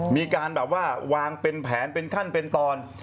มีการแบบว่าวางเป็นแผนเป็นขั้นเป็นตอน